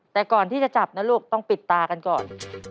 แต่ก่อนที่จะจับนะลูกต้องปิดตากันก่อน